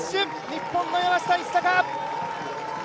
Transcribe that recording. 日本の山下一貴！